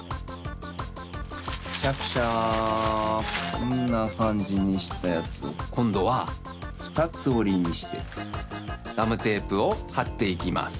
こんなかんじにしたやつをこんどはふたつおりにしてガムテープをはっていきます。